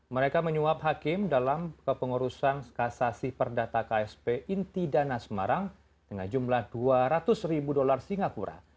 mereka menyuap hakim dalam kepengurusan kasasi perdata ksp inti dana semarang dengan jumlah dua ratus ribu dolar singapura